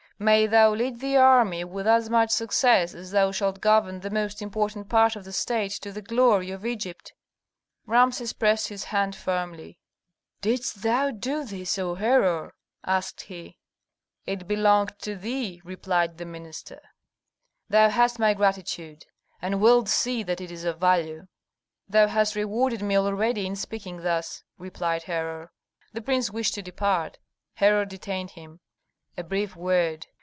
May thou lead the army with as much success as thou shalt govern the most important part of the state to the glory of Egypt." Rameses pressed his hand firmly. "Didst thou do this, O Herhor?" asked he. "It belonged to thee," replied the minister. "Thou hast my gratitude, and wilt see that it is of value." "Thou hast rewarded me already in speaking thus," replied Herhor. The prince wished to depart; Herhor detained him. "A brief word.